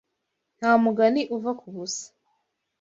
Nta mugani uva ku busa